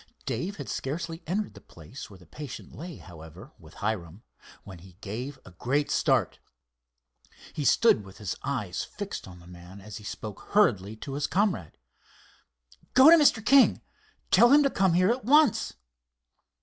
Dave had scarcely entered the place where the patient lay, however, with Hiram, when he gave a great start. He stood with his eyes fixed on the man, as he spoke hurriedly to his comrade. "Go to Mr. King and tell him to come here at once."